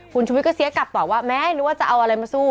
คุณชุวิตก็เสียกลับตอบว่าแม้รู้ว่าจะเอาอะไรมาสู้